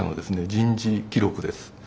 人事記録です。